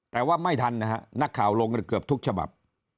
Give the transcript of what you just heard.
แต่ไม่ทันนักข่าวลงรถเจือบทุกฉบับ